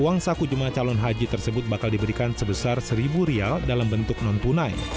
uang saku jemaah calon haji tersebut bakal diberikan sebesar rp satu dalam bentuk non tunai